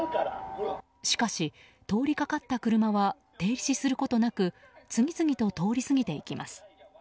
しかし、通りかかった車は停止することなく次々と通り過ぎていきます。